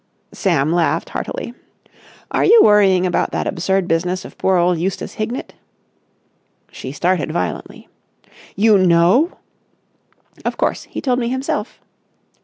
Sam laughed heartily. "Are you worrying about that absurd business of poor old Eustace Hignett?" She started violently. "You know!" "Of course! He told me himself."